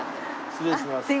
失礼します。